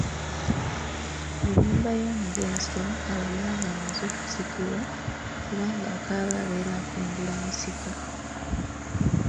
Mu nnyumba y’omugenzi temukaabirwa nga amaze okusikirwa kubanga akaaba abeera akungula musika.